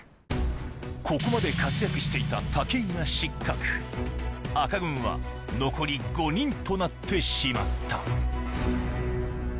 ここまで活躍していた武井が失格赤軍は残り５人となってしまったＯＫ